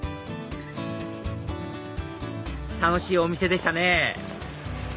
楽しいお店でしたね